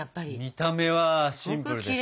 見た目はシンプルですけど。